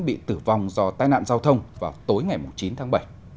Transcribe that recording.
bị tử vong do tai nạn giao thông vào tối ngày chín tháng bảy